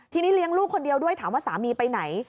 ทีนี้เลี้ยงลูกคนเดียวด้วยถามว่าสามีไปไหน